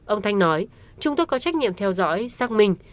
ông thanh nói chúng tôi có trách nhiệm theo dõi xác minh